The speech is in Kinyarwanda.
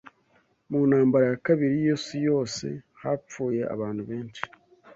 Mu Ntambara ya Kabiri y’Isi Yose hapfuye abantu benshi